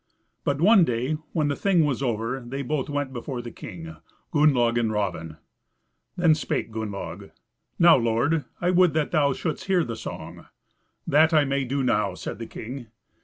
But one day, when the Thing was over, they were both before the king, Gunnlaug and Raven. Then spake Gunnlaug, "Now, lord, I would that thou shouldst hear the song." "That I may do now," said the king.